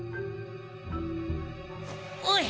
おい！